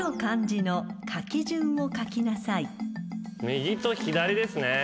右と左ですね。